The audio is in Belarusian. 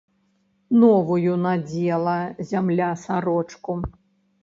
Новую надзела зямля сарочку.